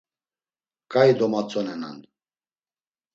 Ǩai domatzonenan.